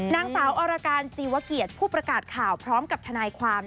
นางสาวอรการจีวเกียรติผู้ประกาศข่าวพร้อมกับทนายความ